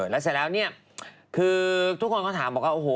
และแต่แล้วเนี่ยทุกคนก็ถามมาว่า